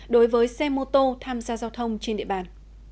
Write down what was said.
đối với xe mô tô tham gia giao thông trên địa bàn